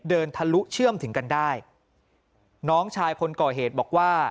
ทะลุเชื่อมถึงกันได้น้องชายคนก่อเหตุบอกว่า